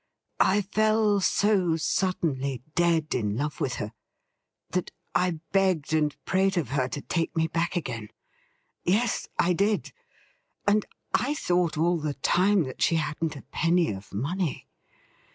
' I fell so suddenly dead in love with her that I begged and prayed of her to take me back again — yes, I did ! And I thought all the time that she hadn't a penny of money